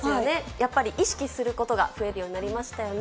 やっぱり意識することが増えるようになりましたよね。